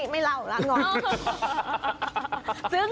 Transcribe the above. ไม่เล่าละงอ